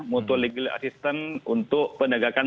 mutual legal assistance untuk penegakan